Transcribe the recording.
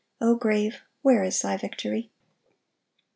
O grave, where is thy victory?"